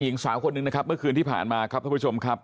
หญิงสาวคนหนึ่งนะครับเมื่อคืนที่ผ่านมาครับท่านผู้ชมครับ